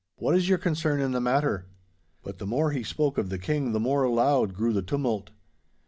What is your concern in the matter?' But the more he spoke of the King the more loud grew the tumult.